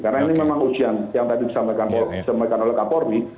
karena ini memang ujian yang tadi disampaikan oleh kapolri